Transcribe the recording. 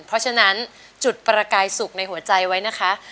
เพราะฉะนั้นจุดประกายสุขในหัวใจไว้นะคะ